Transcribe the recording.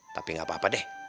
tapi gak apa apa deh